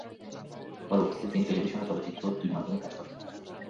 পরবর্তীতে তিনি টেলিভিশন ও চলচ্চিত্র দুই মাধ্যমেই কাজ করেন।